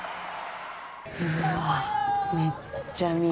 うわめっちゃ雅。